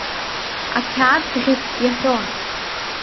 Ақьаад-бӷьыц иаҳәон.